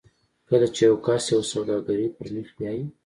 کله چې یو کس یوه سوداګري پر مخ بیایي